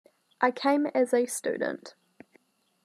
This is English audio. I came as a student.